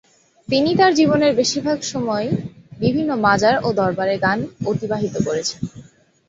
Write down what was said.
তিনি তার জীবনের বেশিরভাগ সময়ই বিভিন্ন মাজার ও দরবারে গান অতিবাহিত করেছেন।